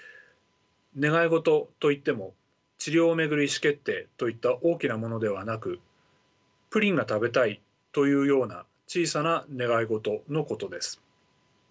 願い事といっても「治療を巡る意思決定」といった大きなものではなく「プリンが食べたい」というような小さな願い事のことです。